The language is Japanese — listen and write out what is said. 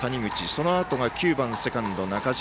そのあとが９番、セカンド、中嶋。